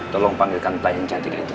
tolong panggilkan pak yang cantik itu